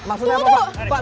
maksudnya apa pak